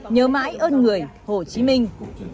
nhớ mãi ơn người hồ chí minh